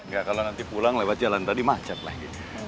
nggak kalau nanti pulang lewat jalan tadi macet lagi